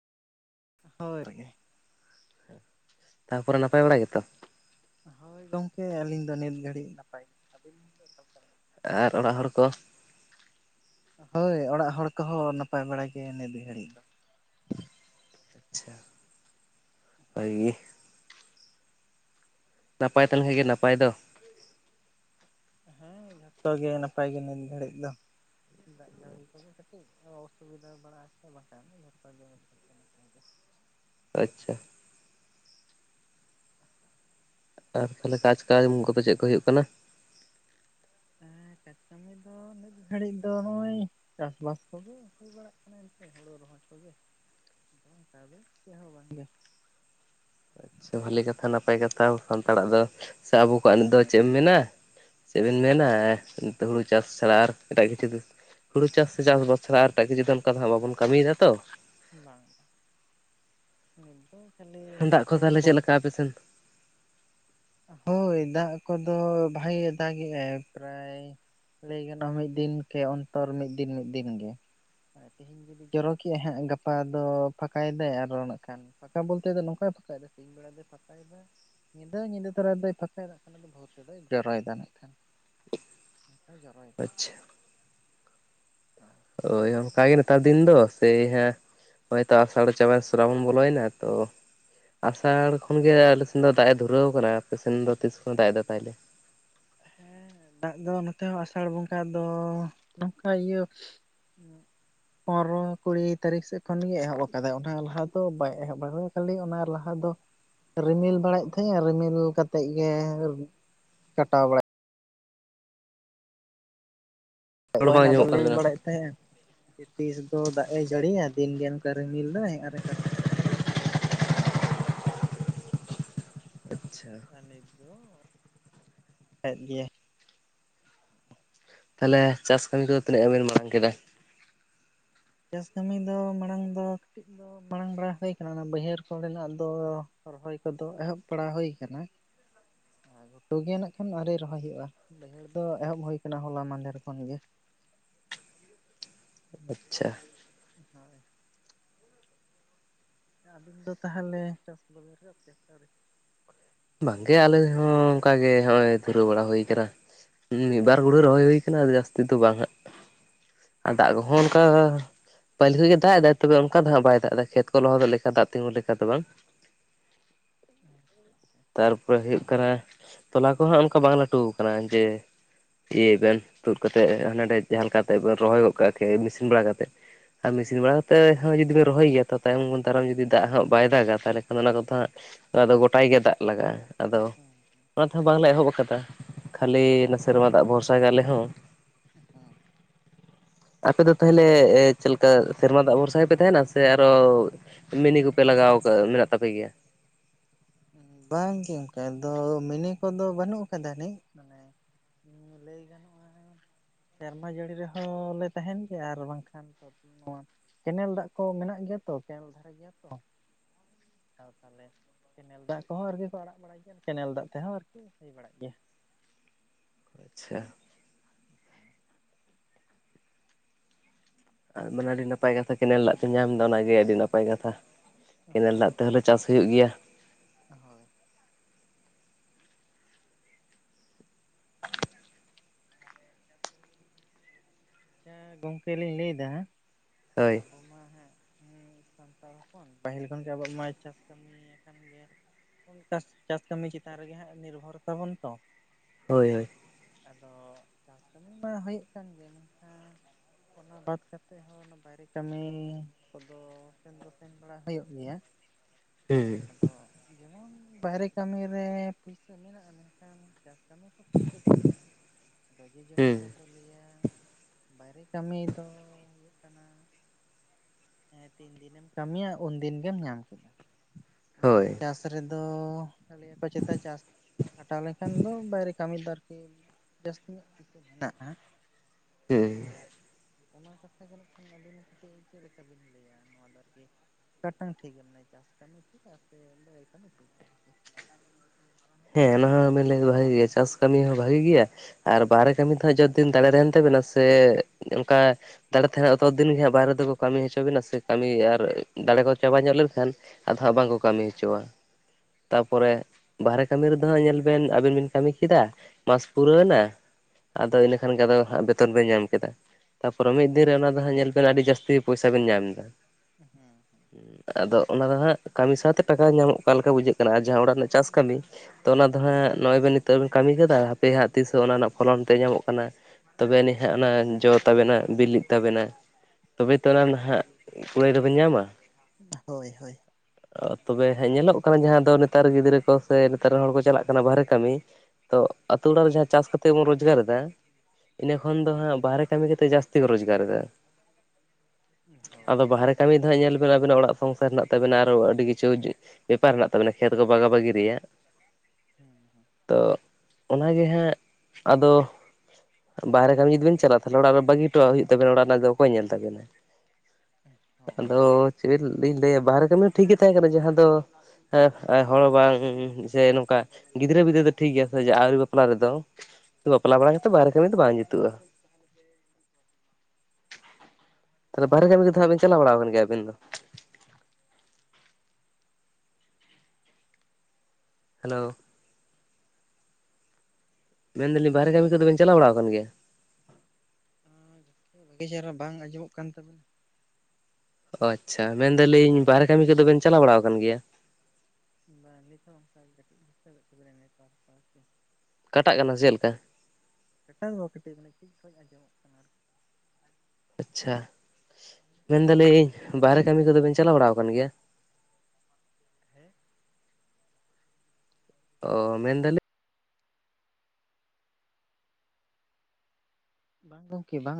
ᱦᱳᱭ ᱛᱟᱯᱚᱨᱮ ᱱᱟᱯᱟᱭ ᱵᱟᱲᱟ ᱜᱮᱛᱚ᱾ ᱦᱳᱭ ᱜᱚᱝᱠᱮ ᱟᱹᱞᱤᱧ ᱫᱚ ᱱᱤᱛ ᱜᱷᱟᱹᱲᱤᱡ ᱱᱟᱯᱟᱭ ᱜᱮ ᱟᱵᱤᱱ ᱫᱚ? ᱟᱨ ᱚᱲᱟᱜ ᱦᱚᱲ ᱠᱚ? ᱦᱳᱭ ᱚᱲᱟᱜ ᱦᱚᱲ ᱠᱚᱦᱚᱸ ᱱᱟᱯᱟᱭ ᱵᱟᱲᱟᱭ ᱜᱮᱭᱟ ᱱᱤᱛ ᱜᱷᱟᱹᱲᱤᱡ ᱫᱚ। ᱟᱪᱪᱷᱟ ᱦᱳᱭ ᱵᱷᱟᱜᱤ ᱜᱮ᱾ ᱱᱟᱯᱟᱭ ᱛᱟᱦᱮᱱ ᱠᱷᱟᱱ ᱜᱮ ᱱᱟᱯᱟᱭ ᱫᱚ। ᱦᱮᱸ ᱡᱚᱛᱚ ᱜᱮ ᱱᱟᱯᱟᱭ ᱜᱮ ᱱᱤᱛ ᱜᱷᱟᱹᱲᱤᱡ ᱫᱚ। ᱠᱚᱜᱮ ᱠᱟᱹᱴᱤᱡ ᱚᱥᱩᱵᱤᱫᱟ ᱵᱟᱲᱟᱜ ᱟᱠᱚ ᱵᱟᱠᱷᱟᱱ ᱡᱚᱛᱚᱜᱮ ᱱᱤᱛᱜᱷᱟᱲᱤᱡ ᱫᱚ ᱱᱟᱯᱟᱭ ᱜᱮ। ᱟᱪᱪᱷᱟ ᱟᱨ ᱛᱟᱦᱚᱞᱮ ᱠᱟᱡ ᱠᱟᱢ ᱠᱚᱫᱚ ᱪᱮᱫ ᱠᱚ ᱦᱩᱭᱩᱜ ᱠᱟᱱᱟ? ᱦᱮᱸ ᱠᱟᱡ ᱠᱟᱹᱢᱤ ᱫᱚ ᱱᱤᱛ ᱜᱷᱟᱹᱲᱤᱡ ᱫᱚ ᱱᱚᱜᱼᱚᱭ ᱪᱟᱥᱵᱟᱥ ᱠᱚᱜᱮ ᱦᱩᱭ ᱵᱟᱲᱟᱜ ᱠᱟᱱᱟ। ᱚᱱᱮ ᱮᱱᱛᱮ ᱦᱳᱲᱳ ᱨᱚᱦᱚᱭ ᱠᱚᱜᱮ ᱟᱫᱚ ᱚᱱᱠᱟ ᱫᱚ ᱪᱮᱫ ᱦᱚᱸ ᱵᱟᱝᱜᱮ। ᱟᱪᱪᱷᱟ ᱵᱷᱟᱞᱤ ᱠᱟᱛᱷᱟ ᱱᱟᱯᱟᱭ ᱠᱟᱛᱷᱟ ᱥᱟᱱᱛᱟᱲᱟᱜ ᱫᱚ ᱥᱮ ᱟᱵᱚ ᱠᱚᱣᱟᱜ ᱱᱤᱛ ᱫᱚ ᱪᱮᱫ ᱮᱢ ᱢᱮᱱᱟ᱾ ᱪᱮᱫ ᱵᱮᱱ ᱢᱮᱱᱟ ᱱᱤᱛᱚᱜ ᱦᱩᱲᱩ ᱪᱟᱥ ᱪᱷᱟᱲᱟ ᱟᱨ ᱮᱴᱟᱜ ᱠᱤᱪᱷᱩ ᱫᱚᱼᱼ ᱦᱩᱲᱩ ᱪᱟᱥᱵᱟᱥ ᱪᱟᱥᱵᱟᱥ ᱪᱷᱟᱲᱟ ᱟᱨ ᱮᱴᱟᱜ ᱠᱤᱪᱩ ᱫᱚ ᱚᱱᱠᱟ ᱫᱚᱦᱟᱸᱜ ᱵᱟᱵᱚᱱ ᱠᱟᱹᱢᱤᱭᱮ ᱫᱟᱛᱚ। ᱵᱟᱝ ᱵᱟᱝ ᱱᱤᱛ ᱫᱚ ᱠᱷᱟᱹᱞᱤ ᱦᱩᱲᱩ ᱠᱚᱜᱮᱼᱼ ᱟᱯᱮᱥᱮᱱᱼᱼ ᱦᱳᱭ ᱫᱟᱜ ᱠᱚᱫᱚ ᱵᱷᱟᱜᱤ ᱜᱮ ᱫᱟᱜ ᱜᱮᱜᱼᱟᱭ ᱯᱨᱟᱭᱼᱼ ᱞᱟᱹᱭ ᱜᱟᱱᱚᱜᱼᱟ ᱢᱤᱫ ᱫᱤᱱ ᱠᱮ ᱚᱱᱛᱚᱨ ᱢᱤᱫ ᱫᱤᱱ ᱢᱤᱫ ᱫᱤᱱ ᱜᱮ᱾ ᱛᱮᱦᱮᱧ ᱡᱩᱫᱤ ᱡᱚᱨᱚᱭ ᱠᱮᱜ-ᱟᱭ ᱦᱟᱸᱜ ᱜᱟᱯᱟ ᱫᱚ ᱯᱷᱟᱸᱠᱟᱭ ᱫᱟᱭ ᱟᱨ ᱱᱟᱜ ᱠᱷᱟᱱᱼᱼ ᱯᱷᱟᱠᱟ ᱵᱚᱞᱛᱮ ᱫᱚ ᱱᱚᱝᱠᱟᱭ ᱯᱷᱟᱠᱟᱭ ᱫᱟ ᱥᱤᱝ ᱵᱮᱲᱟ ᱫᱚᱭ ᱯᱷᱟᱠᱟᱭ ᱫᱟ ᱧᱤᱫᱟᱹ ᱧᱤᱫᱟᱹᱼᱼ [unintelligible] ᱧᱤᱫᱟᱹ ᱵᱮᱲᱟ ᱫᱚᱭ ᱯᱷᱟᱠᱟᱭ ᱫᱟᱜᱠᱷᱟᱱ ᱟᱨ ᱵᱷᱳᱨ ᱛᱮᱫᱚᱭ ᱡᱚᱨᱚᱭ ᱫᱟ ᱱᱟᱜ ᱠᱷᱟᱱ ᱡᱚᱨᱚᱭ ᱫᱟ᱾ ᱟᱪᱪᱷᱟ ᱦᱳᱭ ᱳᱭ ᱚᱱᱠᱟ ᱜᱮ ᱱᱮᱛᱟᱨ ᱫᱤᱱ ᱫᱚ ᱥᱮᱭ ᱦᱟᱸᱜᱼᱼ ᱦᱳᱭ ᱫᱟᱜ ᱟᱥᱟᱲ ᱪᱟᱵᱟ ᱥᱨᱟᱵᱚᱱ ᱵᱚᱞᱟᱭᱱᱟ ᱛᱚᱼᱼ ᱟᱥᱟᱲ ᱠᱷᱚᱱ ᱜᱮ ᱟᱞᱮ ᱥᱮᱱ ᱫᱚ ᱫᱟᱜ ᱮ ᱫᱷᱩᱨᱟᱹᱣ ᱠᱟᱱᱟ ᱟᱯᱮ ᱥᱮᱱ ᱫᱚ ᱛᱤᱥ ᱠᱷᱚᱱ ᱫᱟᱜ ᱫᱟᱭ ᱛᱟᱭᱞᱮ? ᱦᱮᱸ ᱫᱟᱜ ᱫᱚ ᱱᱚᱛᱮ ᱦᱚᱸ ᱟᱥᱟᱲ ᱵᱚᱸᱜᱟ ᱫᱚ ᱱᱚᱝᱠᱟ ᱤᱭᱟᱹ ᱦᱩᱸ [inaudible] ᱯᱚᱱᱨᱚ ᱠᱩᱲᱤ ᱛᱟᱹᱨᱤᱠᱷ ᱥᱮᱫ ᱠᱷᱚᱱ ᱜᱮ ᱮᱦᱚᱵ ᱟᱠᱟᱫᱟᱭ ᱚᱱᱟ ᱞᱟᱦᱟ ᱫᱚ ᱵᱟᱭ ᱮᱦᱚᱵ ᱵᱟᱲᱟ ᱠᱟᱜ ᱞᱮᱭᱟ ᱚᱱᱟ ᱞᱟᱦᱟ ᱫᱚᱼᱼ ᱨᱤᱢᱤᱞ ᱵᱟᱲᱟᱭᱮᱫ ᱛᱟᱦᱮᱸᱜᱼᱟ ᱨᱤᱢᱤᱞ ᱠᱟᱛᱮᱜ ᱜᱮᱼᱼ ᱠᱟᱴᱟᱣ ᱵᱟᱲᱟᱭ ᱨᱚᱲ ᱵᱟᱝ [unintelligible] ᱫᱚ ᱟᱸᱡᱚᱢᱚᱜ ᱠᱟᱱ ᱞᱟᱹᱭ ᱛᱟᱵᱮᱱᱟ ᱵᱟᱲᱟᱭᱮᱫ ᱛᱟᱦᱮᱸᱱᱮ ᱛᱤᱥ ᱫᱚ ᱫᱟᱜ ᱮ ᱡᱟᱹᱲᱤᱭᱟ ᱫᱤᱱᱜᱮ ᱱᱮᱛᱟᱨ ᱨᱤᱢᱤᱞ ᱫᱟᱭ ᱟᱨ ᱮ ᱠᱟᱴᱟᱣ ᱫᱚ। ᱟᱪᱪᱷᱟ᱾ ᱟᱨ ᱱᱤᱛ ᱫᱚ ᱮᱫ ᱜᱮᱭᱟᱼᱼ ᱛᱟᱦᱚᱞᱮ ᱪᱟᱥ ᱠᱟᱹᱢᱤ ᱫᱚ ᱛᱤᱱᱟᱹᱜ ᱵᱮᱱ ᱢᱟᱲᱟᱝ ᱠᱮᱫᱟ᱾ ᱪᱟᱥ ᱠᱟᱹᱢᱤ ᱫᱚ ᱢᱟᱲᱟᱝ ᱫᱚ ᱠᱟᱹᱴᱤᱡ ᱫᱚ ᱢᱟᱲᱟᱝ ᱵᱟᱲᱟ ᱦᱩᱭ ᱠᱟᱱᱟ ᱚᱱᱟ ᱵᱟᱹᱭᱦᱟᱹᱲ ᱠᱚᱨᱮᱱᱟᱜ ᱫᱚ ᱨᱚᱦᱚᱭ ᱠᱚᱫᱚ ᱮᱦᱚᱵ ᱵᱟᱲᱟ ᱦᱩᱭᱩ ᱟᱠᱟᱱᱟ। ᱦᱩ [unintelligible] ᱵᱟᱹᱭᱦᱟᱹᱲ ᱱᱟᱜᱠᱷᱟᱱ ᱟᱣᱨᱤ ᱨᱚᱦᱚᱭ ᱦᱩᱭᱩᱜᱼᱟ ᱵᱟᱹᱭᱦᱟᱹᱲ ᱫᱚ ᱮᱦᱚᱵ ᱦᱩᱭ ᱟᱠᱟᱱᱟ ᱦᱚᱞᱟ ᱢᱟᱫᱷᱮᱨ ᱠᱷᱚᱱᱜ ᱜᱮ ᱟᱪᱪᱷᱟ᱾ ᱦᱳᱭ᱾ ᱟᱹᱵᱤᱱ ᱫᱚ ᱛᱟᱦᱚᱞᱮ ᱪᱟᱥ ᱠᱚᱫᱚ ᱵᱤᱱ ᱨᱟᱠᱟᱵ ᱠᱮᱜᱼᱟ ᱥᱮ ᱟᱣᱨᱤ? ᱵᱟᱝᱜᱮ ᱟᱞᱮ ᱦᱚᱸ ᱚᱱᱠᱟ ᱜᱮ ᱱᱚᱜᱼᱚᱭ ᱫᱷᱩᱨᱟᱹᱣ ᱵᱟᱲᱟ ᱦᱩᱭ ᱠᱟᱱᱟ। ᱢᱤᱫ ᱵᱟᱨ ᱜᱩᱲᱩ ᱨᱚᱦᱚᱭ ᱦᱩᱭᱩ ᱠᱟᱱᱟ ᱡᱟᱹᱥᱛᱤ ᱫᱚ ᱵᱟᱝ ᱦᱟᱸᱜ ᱟ ᱫᱟᱜ ᱠᱚᱦᱚᱸ ᱚᱱᱠᱟᱼᱼ ᱯᱟᱹᱦᱤ ᱜᱮ ᱫᱟᱜ ᱮᱫᱟ ᱛᱚᱵᱮ ᱚᱱᱠᱟ ᱫᱚᱦᱟᱸᱜ ᱵᱟᱭ ᱫᱟᱜ ᱮᱫᱟ ᱠᱷᱮᱛ ᱠᱚ ᱞᱚᱦᱚᱫᱚᱜ ᱞᱮᱠᱟ ᱫᱟᱜ ᱛᱤᱸᱜᱩ ᱞᱮᱠᱟ ᱫᱚ ᱵᱟᱝ [unintelligible] ᱟᱪᱪᱷᱟ ᱟᱪᱪᱷᱟ ᱛᱟᱨᱯᱚᱨᱮ ᱦᱩᱭᱩᱜ ᱠᱟᱱᱟ ᱛᱚᱞᱟ ᱠᱚᱦᱚᱸ ᱚᱱᱠᱟ ᱵᱟᱝ ᱞᱟᱹᱴᱩ ᱠᱟᱱᱟ ᱡᱮᱼᱼ ᱤᱭᱟᱹᱭ ᱵᱮᱱ ᱛᱩᱫ ᱠᱟᱛᱮᱜ ᱦᱟᱸᱰᱮ [unintelligible] ᱱᱟᱰᱮ ᱡᱟᱦᱟᱸ ᱞᱮᱠᱟᱛᱮ ᱵᱮᱱ ᱨᱚᱦᱚᱭ ᱜᱚᱫ ᱠᱟᱜᱼᱟ ᱢᱮᱥᱤᱱ ᱵᱟᱲᱟ ᱠᱟᱛᱮᱜ᱾ ᱟᱨ ᱢᱮᱥᱤᱱ ᱵᱟᱲᱟ ᱠᱟᱛᱮ ᱦᱚᱸ ᱡᱩᱫᱤ ᱵᱤᱱ ᱨᱚᱦᱚᱭ ᱜᱮᱭᱟ ᱛᱚ ᱛᱟᱭᱚᱢ ᱫᱟᱨᱟᱢ ᱡᱩᱫᱤ ᱫᱟᱜ ᱦᱟᱸᱜ ᱵᱟᱭ ᱫᱟᱜᱟ ᱛᱟᱦᱚᱞᱮ ᱠᱷᱟᱱ ᱚᱱᱟ ᱠᱚᱫᱚ ᱦᱟᱸᱜ ᱟᱫᱚ ᱜᱚᱴᱟ ᱜᱮ ᱫᱟᱜ ᱞᱟᱜᱟᱜᱼᱟ ᱟᱫᱚ ᱟᱪᱪᱷᱟ ᱦᱮᱸ ᱚᱱᱟ ᱫᱚᱼᱼ ᱵᱟᱝᱞᱮ ᱮᱦᱚᱵ ᱟᱠᱟᱫᱟ ᱠᱷᱟᱹᱞᱤ ᱱᱚᱣᱟ ᱥᱮᱨᱢᱟ ᱫᱟᱜ ᱵᱷᱚᱨᱥᱟ ᱜᱮ ᱟᱞᱮ ᱦᱚᱸ ᱦᱮᱸ [inaudible] ᱟᱯᱮ ᱫᱚ ᱛᱟᱦᱚᱞᱮ ᱪᱮᱫ ᱞᱮᱠᱟ ᱥᱮᱨᱢᱟ ᱫᱟᱜ ᱵᱷᱚᱨᱥᱟ ᱜᱮᱯᱮ ᱛᱟᱦᱸᱮᱱᱟ ᱥᱮ ᱟᱨᱚ? ᱢᱤᱱᱤ ᱠᱚᱯᱮ ᱞᱟᱜᱟᱣ ᱠᱟᱜᱼᱟ ᱢᱮᱱᱟᱜ ᱛᱟᱯᱮ ᱜᱮᱭᱟ? ᱵᱟᱝᱜᱮ ᱚᱱᱠᱟ ᱟᱫᱚ ᱢᱤᱱᱤ ᱠᱚᱫᱚ ᱵᱟᱹᱱᱩᱜ ᱠᱟᱫᱟᱱᱤᱡ ᱢᱟᱱᱮ᱾ ᱞᱟᱹᱭ ᱜᱟᱱᱚᱜᱼᱟ ᱥᱮᱨᱢᱟ ᱡᱟᱹᱲᱤ ᱨᱮᱦᱚᱸ ᱞᱮ ᱛᱟᱦᱮᱱ ᱜᱮᱭᱟ ᱟᱨ ᱵᱟᱝᱠᱷᱟᱱ ᱫᱚ ᱱᱚᱣᱟ ᱠᱮᱱᱮᱞ ᱫᱟᱜ ᱠᱚ ᱢᱮᱱᱟᱜ ᱜᱮᱭᱟ ᱛᱚ ᱠᱮᱱᱮᱞ ᱫᱷᱟᱨᱮ ᱜᱮᱭᱟ ᱛᱚ ᱥᱟᱶᱛᱟᱞᱮ ᱠᱮᱱᱮᱞ ᱫᱟᱜ ᱠᱚᱦᱚᱸ ᱟᱨᱠᱤ ᱠᱚ ᱟᱲᱟᱜ ᱵᱟᱲᱟᱭ ᱜᱮᱭᱟ ᱠᱮᱱᱮᱞ ᱫᱟᱜ ᱛᱮᱦᱚᱸ ᱟᱨᱠᱤ ᱦᱩᱭ ᱵᱟᱲᱟᱜ ᱜᱮᱭᱟ। ᱟᱪᱪᱷᱟ᱾ ᱟᱨ ᱢᱟᱱᱮ ᱟᱹᱰᱤ ᱱᱟᱯᱟᱭ ᱠᱟᱛᱷᱟ ᱠᱮᱱᱮᱞ ᱫᱟᱜ ᱯᱮ ᱧᱟᱢ ᱮᱫᱟ ᱚᱱᱟᱜᱮ ᱟᱹᱰᱤ ᱱᱟᱯᱟᱭ ᱠᱟᱛᱷᱟ ᱦᱳᱭ ᱠᱮᱱᱮᱞ ᱫᱟᱜ ᱛᱮᱦᱚᱸᱞᱮ ᱪᱟᱥ ᱦᱩᱭᱩᱜ ᱜᱮᱭᱟ ᱦᱳᱭ ᱟᱪᱪᱷᱟ ᱜᱚᱝᱠᱮ ᱞᱤᱧ ᱞᱟᱹᱭ ᱮᱫᱟ ᱦᱳᱭ ᱟᱵᱚᱼᱼ ᱢᱟ ᱦᱮᱸ ᱥᱟᱱᱛᱟᱲ ᱦᱚᱯᱚᱱ ᱯᱟᱹᱦᱤᱞ ᱠᱷᱚᱱᱜᱮ ᱟᱵᱚᱣᱟᱜ ᱢᱟ ᱪᱟᱥ ᱠᱟᱹᱢᱤᱭᱟᱠᱟᱱᱼᱼ ᱚᱱᱠᱟ ᱪᱟᱥ ᱠᱟᱹᱢᱤ ᱪᱮᱛᱟᱱ ᱨᱮᱜᱮ ᱦᱟᱸᱜ ᱱᱤᱨᱵᱷᱚᱨ ᱛᱟᱵᱚᱱ ᱛᱚ᱾ ᱦᱳᱭ ᱦᱳᱭ᱾ ᱟᱫᱚ ᱪᱟᱥ ᱠᱟᱹᱢᱤ ᱢᱟ ᱦᱩᱭᱩᱜ ᱠᱟᱱ ᱜᱮᱭᱟ ᱢᱮᱱᱠᱷᱟᱱ ᱚᱱᱟ ᱵᱟᱫᱽ ᱠᱟᱛᱮ ᱦᱚᱸ ᱵᱟᱭᱨᱮ ᱠᱟᱹᱢᱤ ᱠᱚᱫᱚ ᱥᱮᱱ ᱫᱚ ᱥᱮᱱ ᱵᱟᱲᱟ ᱦᱩᱭᱩᱜ ᱜᱮᱭᱟ᱾ ᱦᱮ ᱟᱫᱚ ᱡᱮᱢᱚᱱ ᱵᱟᱦᱨᱮ ᱠᱟᱹᱢᱤ ᱨᱮ ᱯᱩᱭᱥᱟᱹ ᱢᱮᱱᱟᱜᱼᱟ ᱢᱮᱱᱠᱷᱟᱱ ᱠᱟᱢᱤ ᱠᱚ ᱯᱩᱭᱥᱟᱹ ᱫᱚ ᱢᱮᱱᱟᱜᱼᱟ ᱟᱫᱚ ᱡᱮ ᱡᱮᱢᱚᱱ ᱦᱩᱸ ᱫᱚᱠᱚ ᱞᱟᱹᱭᱟ ᱵᱟᱭᱨᱮ ᱠᱟᱹᱢᱤ ᱫᱚ ᱦᱩᱭᱩᱜ ᱠᱟᱱᱟ ᱮᱸ ᱛᱤᱱ ᱫᱤᱱᱮᱢ ᱠᱟᱹᱢᱤᱭᱟ ᱩᱱᱫᱤᱱ ᱜᱮᱢ ᱧᱟᱢ ᱠᱮᱫᱟ, ᱦᱳᱭ ᱢᱮᱱᱠᱷᱟᱱ ᱪᱟᱥ ᱨᱮᱫᱚ ᱞᱟᱹᱭᱟ ᱠᱚ ᱪᱮᱛᱟ ᱪᱟᱥ ᱠᱷᱟᱴᱟᱣ ᱞᱮᱠᱷᱟᱱ ᱫᱚ ᱵᱟᱭᱨᱮ ᱠᱟᱹᱢᱤ ᱫᱚ ᱟᱨᱠᱤ ᱡᱟᱹᱥᱛᱤ ᱧᱚᱜ ᱯᱩᱭᱥᱟᱹ ᱢᱮᱱᱟᱜᱼᱟ᱾ ᱦᱩᱸ ᱟᱫᱚ ᱚᱱᱟ ᱠᱟᱛᱷᱟ ᱜᱮ ᱱᱟᱜ ᱠᱷᱟᱱ ᱟᱹᱵᱤᱱ ᱠᱟᱹᱴᱤᱡ ᱪᱮᱫ ᱞᱮᱠᱟ ᱵᱤᱱ ᱞᱟᱹᱭᱟ ᱱᱚᱣᱟ ᱫᱚ ᱟᱨᱠᱤ? ᱚᱠᱟᱴᱟᱝ ᱴᱷᱤᱠᱟ ᱢᱟᱱᱮ [unintelligible] ᱦᱮᱸ ᱚᱱᱟ ᱦᱚᱸ ᱢᱮᱱ ᱞᱮᱠᱷ ᱵᱷᱟᱜᱤ ᱜᱮ ᱪᱟᱥ ᱠᱟᱹᱢᱤ ᱦᱚᱸ ᱵᱷᱟᱜᱤ ᱜᱮᱭᱟ᱾ ᱟᱨ ᱵᱟᱦᱨᱮ ᱠᱟᱹᱢᱤ ᱛᱮᱦᱚᱸ ᱡᱚᱛ ᱫᱤᱱ ᱫᱟᱲᱮ ᱛᱟᱦᱮᱱ ᱛᱟᱵᱮᱱᱟ ᱥᱮ ᱚᱝᱠᱟ ᱫᱟᱲᱮ ᱛᱟᱦᱮᱱᱟ ᱚᱛᱚ ᱫᱤᱱ ᱜᱮ ᱦᱟᱸᱜ ᱵᱟᱦᱨᱮ ᱫᱚᱠᱚ ᱠᱟᱹᱢᱤ ᱦᱚᱪᱚ ᱵᱤᱱᱟ ᱥᱮ ᱠᱟᱹᱢᱤ ᱟᱨ ᱫᱟᱲᱮ ᱠᱚ ᱪᱟᱵᱟ ᱧᱚᱜ ᱞᱮᱱᱠᱷᱟᱱ ᱟᱫᱚ ᱦᱟᱸᱜ ᱵᱟᱝᱠᱚ ᱠᱟᱹᱢᱤ ᱦᱚᱪᱚᱣᱟ ᱛᱟᱯᱚᱨᱮ ᱵᱟᱦᱨᱮ ᱠᱟᱹᱢᱤ ᱨᱮᱫᱚ ᱦᱟᱸᱜ ᱧᱮᱞ ᱵᱮᱱ ᱟᱵᱤᱱ ᱵᱮᱤᱱ ᱠᱟᱹᱢᱤ ᱠᱮᱫᱟ ᱢᱟᱥ ᱯᱩᱨᱟᱹᱣᱱᱟ ᱟᱫᱚ ᱤᱱᱟᱹ ᱠᱷᱟᱱᱜᱮ ᱟᱫᱚ ᱵᱮᱛᱚᱱ ᱵᱮᱱ ᱧᱟᱢ ᱠᱮᱫᱟ᱾ ᱛᱟᱯᱚᱨᱮ ᱢᱤᱫ ᱫᱤᱱ ᱨᱮ ᱚᱱᱟ ᱫᱚ ᱦᱟᱸᱜ ᱧᱮᱞ ᱵᱮᱱ ᱟᱹᱰᱤ ᱡᱟᱹᱛᱤ ᱯᱚᱭᱥᱟ ᱵᱮᱱ ᱧᱟᱢ ᱫᱟ᱾ ᱦᱩᱸ ᱟᱫᱚ ᱚᱱᱟ ᱫᱚ ᱦᱟᱸᱜ ᱠᱟᱹᱢᱤ ᱥᱟᱶᱛᱮ ᱴᱟᱠᱟ ᱧᱟᱢᱚᱜ ᱠᱟᱱ ᱞᱮᱠᱟ ᱵᱩᱡᱷᱟᱹᱜ ᱠᱟᱱᱟ, ᱟᱨ ᱡᱟᱦᱟᱸ ᱚᱲᱟᱜ ᱨᱮᱱᱟᱜ ᱪᱟᱥ ᱠᱟᱹᱢᱤ ᱛᱚ ᱚᱱᱟ ᱫᱚ ᱦᱟᱸᱜ ᱱᱚᱜᱼᱚᱭ ᱵᱮᱱ ᱱᱤᱛᱚᱜ ᱵᱮᱱ ᱠᱟᱹᱢᱤ ᱠᱟᱫᱟ ᱦᱟᱯᱮ ᱦᱟᱸᱜ ᱛᱤᱥᱚᱜ ᱚᱱᱟ ᱨᱮᱱᱟᱜ ᱯᱷᱚᱞᱚᱱ ᱛᱮᱜ ᱧᱟᱢᱚᱜ ᱠᱟᱱᱟ। ᱛᱚᱵᱮ ᱟᱹᱱᱤᱡ ᱦᱟᱸᱜ ᱚᱱᱟ ᱡᱚ ᱛᱟᱵᱮᱱᱟ, ᱵᱤᱞᱤᱜ ᱛᱟᱵᱮᱱᱟ᱾ ᱛᱚᱵᱮ ᱛᱚ ᱚᱱᱟ ᱱᱟᱦᱟᱜ ᱠᱩᱲᱟᱹᱭ ᱫᱚᱵᱮᱱ ᱧᱟᱢᱟ᱾ ᱦᱳᱭ ᱦᱳᱭ ᱚ ᱛᱚᱵᱮ ᱦᱮᱸ ᱧᱮᱞᱚᱜ ᱠᱟᱱᱟ ᱡᱟᱦᱟᱸ ᱫᱚ ᱱᱮᱛᱟᱨ ᱜᱤᱫᱽᱨᱟᱹ ᱠᱚ ᱥᱮ ᱱᱮᱛᱟᱨ ᱨᱮᱱ ᱦᱚᱲ ᱠᱚ ᱪᱟᱞᱟᱜ ᱠᱟᱱᱟ ᱵᱟᱨᱦᱨᱮ ᱠᱟᱹᱢᱤ ᱛᱚ ᱟᱛᱳ ᱚᱲᱟᱜ ᱨᱮ ᱡᱟᱦᱟᱸ ᱪᱟᱥ ᱠᱟᱛᱮ ᱵᱚᱱ ᱨᱳᱡᱽᱜᱟᱨ ᱫᱟ ᱤᱱᱟᱹ ᱠᱷᱚᱱ ᱫᱚ ᱦᱟᱸᱜ ᱵᱟᱦᱨᱮ ᱠᱟᱹᱢᱤ ᱠᱟᱛᱮᱜ ᱡᱟᱹᱥᱛᱤ ᱠᱚ ᱨᱚᱡᱽᱜᱟᱨ ᱫᱟ᱾ ᱦᱳᱭ ᱟᱫᱚ ᱚᱱᱟ ᱵᱟᱦᱨᱮ ᱠᱟᱹᱢᱤ ᱫᱚ ᱦᱟᱸᱜ ᱧᱮᱞ ᱟᱵᱮᱱᱟᱜ ᱚᱲᱟᱜ ᱥᱚᱝᱥᱟᱨ ᱦᱮᱸᱱᱟᱜ ᱛᱟᱵᱮᱱᱟ ᱟᱨᱚ ᱟᱹᱰᱤ ᱠᱤᱪᱷᱩ ᱵᱮᱯᱟᱨ ᱢᱮᱱᱟᱜ ᱛᱟᱵᱮᱱᱟ ᱠᱷᱮᱛ ᱠᱚ ᱵᱟᱜᱟ ᱵᱟᱜᱤ ᱨᱮᱭᱟᱜ᱾ ᱦᱩᱸ ᱛᱚ ᱚᱱᱟᱜᱮ ᱦᱟᱸᱜ ᱟᱫᱚ ᱵᱟᱦᱨᱮ ᱠᱟᱹᱢᱤ ᱡᱩᱫᱤ ᱵᱮᱱ ᱪᱟᱞᱟᱜᱼᱟ ᱛᱟᱦᱚᱞ ᱚᱲᱟᱜ ᱵᱟᱹᱜᱤ ᱦᱚᱴᱣᱟᱜ ᱦᱩᱭᱩᱜ ᱛᱟᱵᱮᱱᱟ ᱚᱲᱟᱜ ᱨᱮᱱᱟᱜ ᱫᱚ ᱚᱠᱚᱭ ᱧᱮᱞ ᱛᱟᱮᱱᱟ᱾ ᱦᱳᱭ ᱟᱫᱚ ᱪᱮᱫ ᱞᱤᱧ ᱞᱟᱹᱭᱟ ᱵᱟᱦᱨᱮ ᱠᱟᱹᱢᱤ ᱦᱚᱸ ᱴᱷᱤᱠ ᱜᱮ ᱛᱟᱦᱮᱸ ᱠᱟᱱᱟ ᱡᱟᱦᱟᱸ ᱫᱚ ᱦᱮᱸ ᱦᱚᱲ ᱵᱟᱝ ᱥᱮ ᱱᱚᱝᱠᱟ ᱜᱤᱫᱽᱨᱟᱹ ᱵᱤᱫᱟᱹᱞ ᱫᱚ ᱴᱷᱤᱠ ᱜᱮᱭᱟ ᱥᱮ ᱟᱹᱣᱨᱤ ᱵᱟᱯᱞᱟ ᱨᱮᱫᱚ᱾ ᱵᱟᱯᱞᱟ ᱵᱟᱲᱟ ᱠᱟᱛᱮᱜ ᱵᱟᱦᱨᱮ ᱠᱟᱹᱢᱤ ᱫᱚ ᱵᱟᱝ ᱡᱩᱛᱩᱜᱼᱟ᱾ ᱛᱟᱦᱞᱮ ᱵᱟᱦᱨᱮ ᱠᱟᱹᱢᱤ ᱠᱚᱫᱚ ᱦᱟᱸᱜ ᱵᱤᱱ ᱪᱟᱞᱟᱣ ᱵᱟᱲᱟ ᱟᱠᱟᱱ ᱜᱮᱭᱟ ᱟᱵᱤᱱ ᱫᱚ? ᱦᱟᱞᱳ ᱢᱮᱱᱫᱟᱞᱤᱧ ᱵᱟᱦᱨᱮ ᱠᱟᱹᱢᱤ ᱠᱚᱫᱚᱵᱮᱱ ᱪᱟᱞᱟᱣ ᱵᱟᱲᱟ ᱟᱠ ᱠᱟᱱ ᱜᱮᱭᱟ? [unintelligible] ᱵᱷᱟᱜᱮ ᱪᱮᱦᱨᱟ ᱵᱟᱝ ᱟᱸᱡᱚᱢᱚᱜ ᱠᱟᱱ ᱛᱟᱵᱮᱱᱟ᱾ ᱚ ᱟᱪᱪᱷᱟ ᱢᱮᱱᱫᱟᱞᱤᱧ ᱵᱟᱦᱨᱮ ᱠᱟᱹᱢᱤ ᱠᱚᱫᱚ ᱵᱮᱱ ᱪᱟᱞᱟᱣ ᱵᱟᱲᱟ ᱟᱠᱟᱱ ᱜᱮᱭᱟ? ᱵᱟᱝ ᱱᱤᱛᱦ ᱦᱚᱸ ᱚᱝᱠᱟᱜᱮ ᱠᱟᱹᱴᱤᱡ [unintelligible] ᱠᱟᱴᱟᱜ ᱠᱟᱱᱟ ᱥᱮ ᱪᱮᱜ ᱞᱮᱠᱟ? ᱠᱟᱴᱟᱣ ᱫᱚ ᱵᱟᱝ ᱠᱟᱹᱴᱤᱡ ᱢᱟᱱᱮ ᱠᱷᱤᱡ ᱠᱷᱚᱡ ᱟᱸᱡᱚᱢᱚᱜ ᱠᱟᱱᱟᱠ᱾ ᱟᱪᱪᱷᱟ ᱢᱮᱱᱫᱟᱞᱤᱧ ᱵᱟᱦᱨᱮ ᱠᱟᱹᱢᱤ ᱠᱚᱫᱚ ᱵᱮᱱ ᱪᱟᱞᱟᱣ ᱵᱟᱲᱟᱣ ᱠᱟᱱ ᱜᱮᱭᱟ? ᱦᱮᱸ ᱚ ᱢᱮᱱᱫᱟᱞᱤᱧ ᱵᱟᱝ ᱜᱚᱝᱠᱮ ᱵᱟᱝ